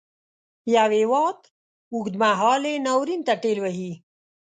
یو هیواد اوږد مهالي ناورین ته ټېل وهي.